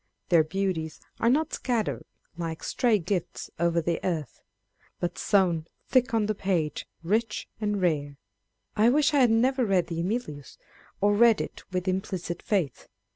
Their beauties are not "scattered like stray gifts o'er the earth," but sown thick on the page, rich and rare. I wish I had never read the Emilius, or read it with implicit faith.